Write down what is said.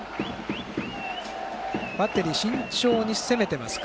バッテリー慎重に攻めてますか？